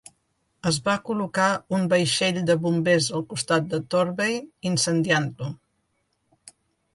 Es va col·locar un vaixell de bombers al costat de Torbay, incendiant-lo.